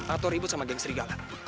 atau ribut sama gang serigala